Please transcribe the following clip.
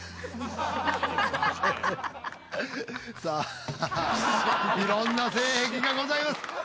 さあ色んな性癖がございます。